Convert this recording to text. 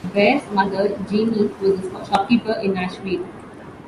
Bare's mother, Jeannie, was a shopkeeper in Nashville.